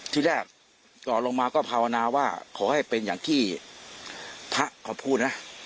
ที่แรกจอดลงมาก็ภาวนาว่าขอให้เป็นอย่างที่พระขอพูดนะ